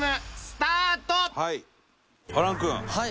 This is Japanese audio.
はい。